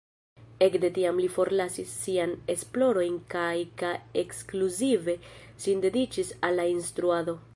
Ekde tiam li forlasis siajn esplorojn kaj ka ekskluzive sin dediĉis al la instruado.